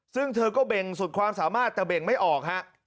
ซึ่งเธอก็เบ่งสุดความสามารถแต่เบ่งไม่ออกฮะ